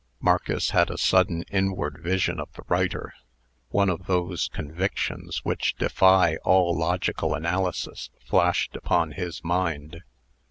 Marcus had a sudden inward vision of the writer. One of those convictions which defy all logical analysis flashed upon his mind.